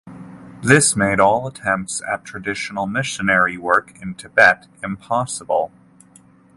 This made all attempts at traditional missionary work in Tibet impossible.